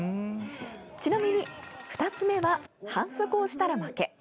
ちなみに２つ目は反則をしたら負け。